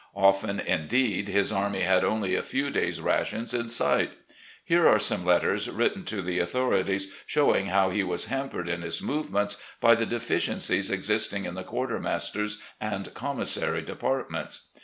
Often, indeed, his army had only a few days' rations in sight. Here are some letters written to the authorities, showing how he was hampered in his movements by the deficiencies existing in the quartermaster's and com missary departments.